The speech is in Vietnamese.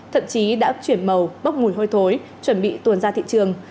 thậm chí đã chuyển màu bốc mùi hôi thối chuẩn bị tuồn ra thị trường